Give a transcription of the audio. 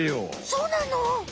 そうなの？